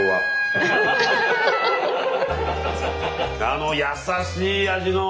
あの優しい味の。